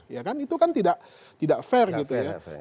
ya kan itu kan tidak fair gitu ya